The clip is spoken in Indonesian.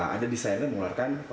ada desain yang mengeluarkan protokol